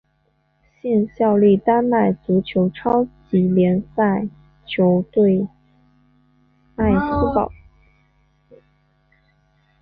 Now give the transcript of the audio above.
现效力丹麦足球超级联赛球队艾斯堡。